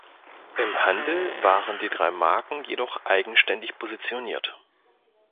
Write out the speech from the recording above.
Im Handel waren die drei Marken jedoch eigenständig positioniert.